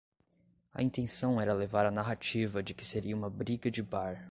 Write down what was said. A intenção era levar a narrativa de que "seria uma briga de bar"